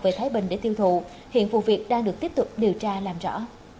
về thái bình để tiêu thụ hiện vụ việc đang được tiếp tục điều tra làm rõ